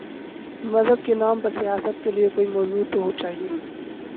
مذہب کے نام پر سیاست کے لیے کوئی موضوع تو چاہیے۔